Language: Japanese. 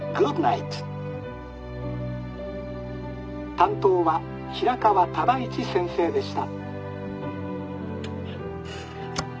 「担当は平川唯一先生でした」。